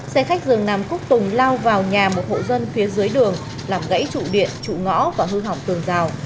xe khách dường nằm quốc tùng lao vào nhà một hộ dân phía dưới đường làm gãy trụ điện trụ ngõ và hư hỏng tường rào